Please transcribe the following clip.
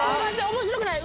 面白くない。